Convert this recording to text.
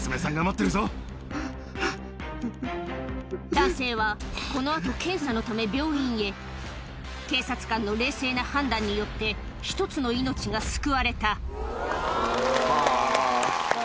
男性はこの後検査のため病院へ警察官の冷静な判断によって１つの命が救われたよかった。